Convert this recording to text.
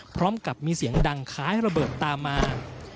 พร้อมกับมีเสียงดังคล้ายระเบิดตามมา